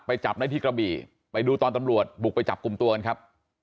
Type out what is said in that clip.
จับได้ที่กระบี่ไปดูตอนตำรวจบุกไปจับกลุ่มตัวกันครับ